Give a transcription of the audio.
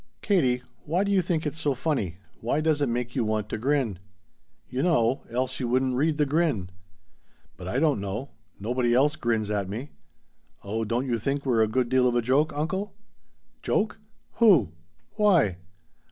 "Katie, why do you think it's so funny? Why does it make you want to grin?" "You know. Else you wouldn't read the grin." "But I don't know. Nobody else grins at me." "Oh don't you think we're a good deal of a joke, uncle?" "Joke? Who? Why?"